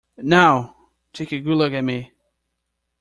Now, take a good look at me!